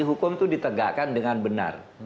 hukum itu ditegakkan dengan benar